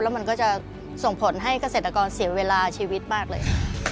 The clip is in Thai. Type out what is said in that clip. มันก็จะส่งผลให้เกษตรกรเสียเวลาชีวิตมากเลย